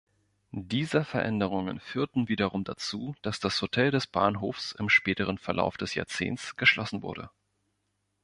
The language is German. Diese Veränderungen führten wiederum dazu, dass das Hotel des Bahnhofs im späteren Verlauf des Jahrzehnts geschlossen wurde.